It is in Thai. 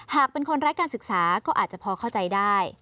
หากเป็นคนไร้การศึกษาก็อาจจะพอเข้าใจได้